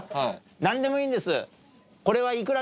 何でもいいんです。